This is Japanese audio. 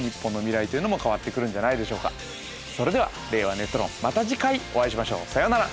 これからそれでは「令和ネット論」また次回お会いしましょう。さようなら。